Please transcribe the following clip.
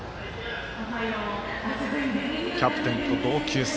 キャプテンと同級生。